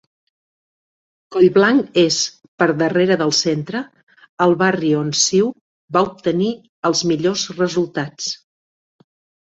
Collblanc és, per darrere del Centre, el barri on CiU va obtenir els millors resultats.